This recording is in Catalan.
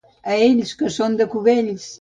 A ells, que són de Cubells!